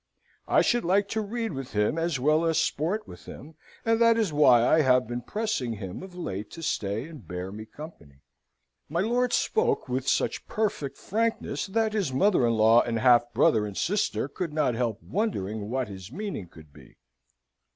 I should like to read with him as well as sport with him, and that is why I have been pressing him of late to stay and bear me company." My lord spoke with such perfect frankness that his mother in law and half brother and sister could not help wondering what his meaning could be.